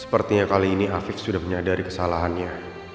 sepertinya kali ini afiq sudah menyadari kesalahannya